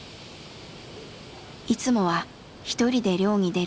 いつもは一人で漁に出る海士。